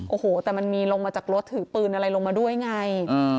โอ้โหแต่มันมีลงมาจากรถถือปืนอะไรลงมาด้วยไง